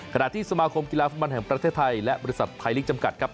ขณะที่สมครมกีฬาฝุ่นบรรยาธิประเทศไทยและบริษัทไทลิกส์จำกัดครับ